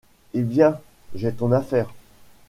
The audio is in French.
Eh ! bien, j’ai ton affaire.